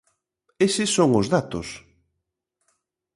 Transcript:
¡Eses son os datos!